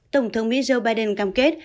tổng thống mỹ joe biden cam kết